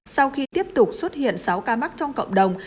sau khi tiếp tục xuất hiện sáu ca mắc trong cộng đồng